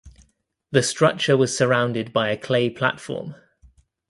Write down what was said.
The structure was surrounded by a clay platform.